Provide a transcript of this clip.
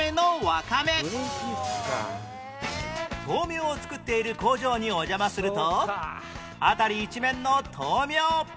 豆苗を作っている工場にお邪魔すると辺り一面の豆苗